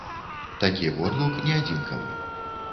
Такі водгук не адзінкавы.